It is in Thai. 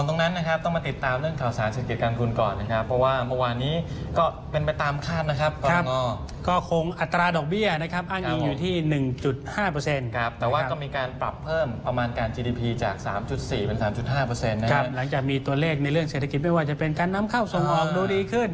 ในเรื่องเศรษฐกิจไม่ว่าจะเป็นการนัำเข้าส่งออกดูดีขึ้น